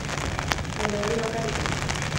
Baina hori bakarrik ez.